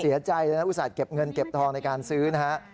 เสียใจเลยนะอุตส่าห์เก็บเงินเก็บทองในการซื้อนะฮะ